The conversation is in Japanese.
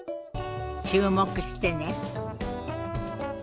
注目してね。